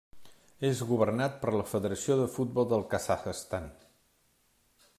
És governat per la Federació de Futbol del Kazakhstan.